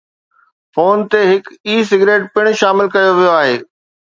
phone تي هڪ "e cigarette" پڻ شامل ڪيو ويو آهي